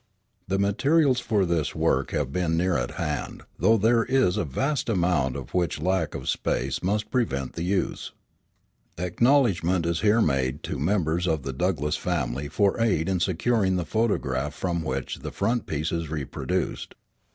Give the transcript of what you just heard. The materials for this work have been near at hand, though there is a vast amount of which lack of space must prevent the use. Acknowledgment is here made to members of the Douglass family for aid in securing the photograph from which the frontispiece is reproduced.